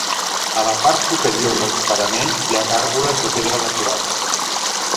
A la part superior dels paraments hi ha gàrgoles de pedra decorades.